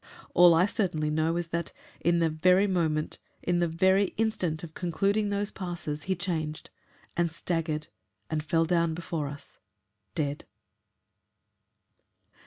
All I certainly know is that, in the very moment, in the very instant, of concluding those passes, he changed, and staggered, and fell down before us dead!